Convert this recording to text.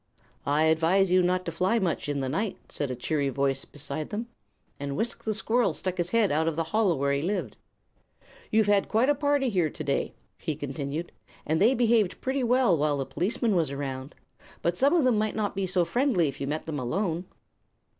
"I advise you not to fly much, in the night," said a cheery voice beside them, and Wisk the squirrel stuck his head out of the hollow where he lived. "You've had quite a party here today," he continued, "and they behaved pretty well while the policeman was around. But some of them might not be so friendly if you met them alone."